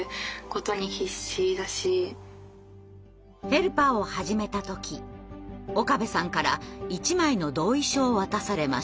ヘルパーを始めた時岡部さんから１枚の同意書を渡されました。